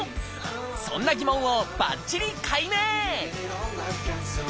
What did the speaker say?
そんな疑問をばっちり解明！